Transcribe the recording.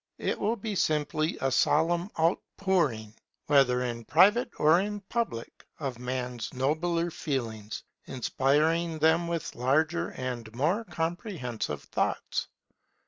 It will be simply a solemn out pouring, whether in private or in public, of men's nobler feelings, inspiring them with larger and more comprehensive thoughts.